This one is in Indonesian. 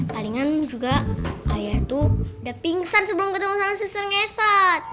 palingan juga ayah tuh udah pingsan sebelum ketemu sama susun ngesat